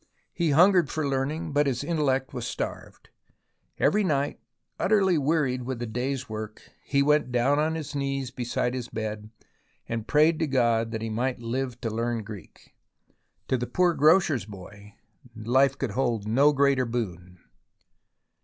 He hungered for learning, but his intellect was starved. Every night, utterly wearied with the day's work, he went down on his knees beside his bed, and prayed to God that he might live to learn Greek. To the poor grocer's boy, life could hold no greater boon.